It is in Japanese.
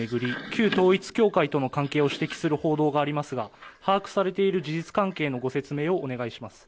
旧統一教会との関係を指摘する報道がありますが把握されている事実関係のご説明をお願いいたします。